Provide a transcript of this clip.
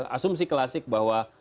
asumsi klasik bahwa